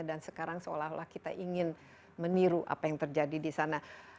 dan sekarang seolah olah kita ingin meniru apa yang terjadi di sana